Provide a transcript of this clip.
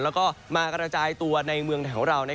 แล้วก็มากระจายตัวในเมืองไทยของเรา